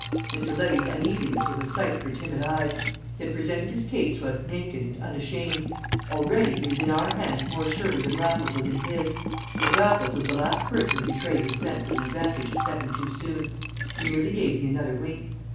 Mr. Levy's uneasiness was a sight for timid eyes. He had presented his case to us naked and unashamed; already he was in our hands more surely than Raffles was in his. But Raffles was the last person to betray his sense of an advantage a second too soon: he merely gave me another wink.